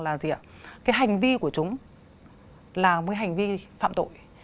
là một hành vi phạm tội